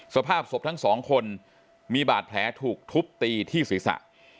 สภาพศพทั้งสองคนมีบาดแผลถูกทุบตีที่ศีรษะ